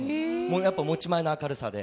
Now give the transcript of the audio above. やっぱ持ち前の明るさで。